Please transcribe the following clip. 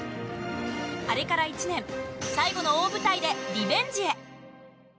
あれから１年最後の大舞台でリベンジへ。